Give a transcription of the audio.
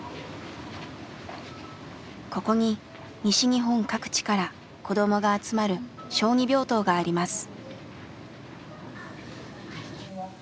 ここに西日本各地から子どもが集まる小児病棟があります。